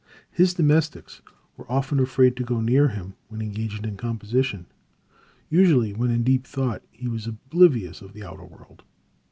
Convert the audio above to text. His domestics were often afraid to go near him when engaged in composition. Usually when in deep thought he was oblivious of the outer world.